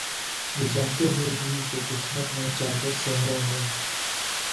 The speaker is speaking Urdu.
یہ جانتے ہوئے بھی، کہ قسمت میں چادر صحرا ہے